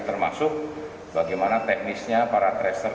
termasuk bagaimana teknisnya para tracer